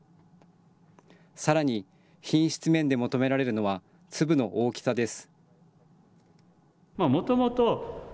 さらに、品質面で求められるのは、粒の大きさです。